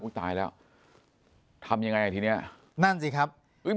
อู่้ตายแล้วทำอย่างไรทีนี้อันสิครับ